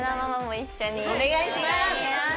お願いします。